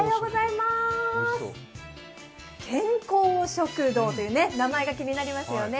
健康食堂という名前が気になりますよね。